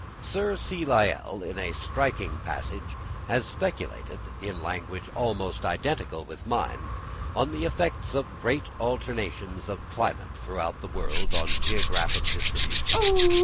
Sir C. Lyell in a striking passage has speculated, in language almost identical with mine, on the effects of great alternations of climate throughout the world on geographical distribution.